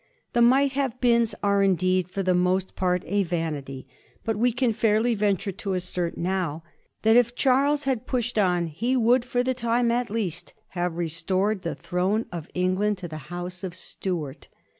The might have beens are indeed for the most part a vanity, but we can fairly venture to assert now that 222 ^ HISTORY OF THE FOUR GEORGES. ch.zxztl if Charles had pushed on he would, for the time at leasts have restored the throne of England to the House of Stuart.